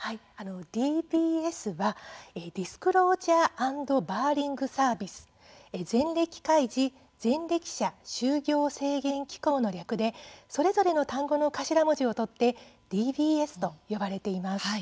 ＤＢＳはディスクロ―ジャー・アンドバーリング・サービス前歴開示前歴者就業制限機構の略でそれぞれの単語の頭文字を取ってＤＢＳと呼ばれています。